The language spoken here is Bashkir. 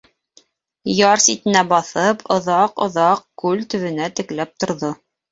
Яр ситенә баҫып, оҙаҡ-оҙаҡ күл төбөнә текләп торҙо.